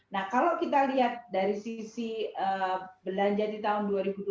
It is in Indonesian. nah kalau kita lihat dari sisi belanja di tahun dua ribu dua puluh